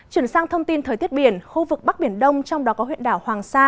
chuyển sang thông tin thời tiết biển khu vực bắc biển đông trong đó có huyện đảo hoàng sa